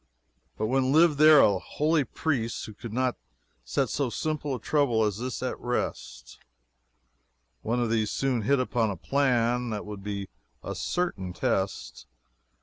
But when lived there a holy priest who could not set so simple a trouble as this at rest? One of these soon hit upon a plan that would be a certain test.